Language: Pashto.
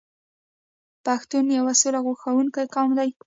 پښتون یو سوله خوښوونکی قوم دی.